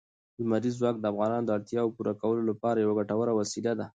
لمریز ځواک د افغانانو د اړتیاوو د پوره کولو لپاره یوه ګټوره وسیله ده.